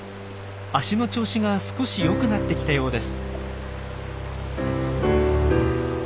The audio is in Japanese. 足の調子が少し良くなってきたようです。